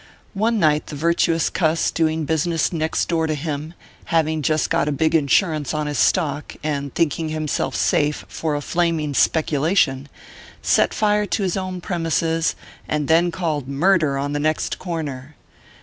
One night the virtuous cuss doing business next door to him, having just got a big insurance on his stock, and thinking himself safe for a flaming speculation, set fire to his own premises and then called " Murder " on the next corner.